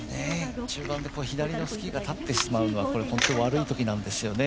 中盤で左のスキーが立ってしまうのは本当悪い時なんですよね